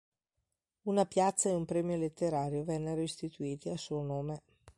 Una piazza e un premio letterario vennero istituiti a suo nome.